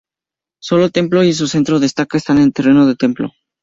Solo el templo y un centro de estaca están en el terreno del templo.